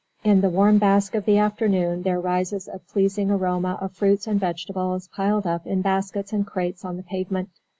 In the warm bask of the afternoon there rises a pleasing aroma of fruits and vegetables piled up in baskets and crates on the pavement.